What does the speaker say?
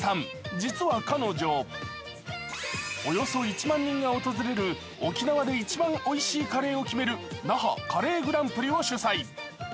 実は彼女、およそ１万人が訪れる沖縄で一番おいしいカレーを決める那覇カレーグランプリを主催。